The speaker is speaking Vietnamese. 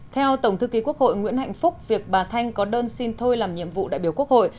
theo tổng thư ký quốc hội nguyễn hạnh phúc việc bà thanh có đơn xin thôi làm nhiệm vụ đại biểu quốc hội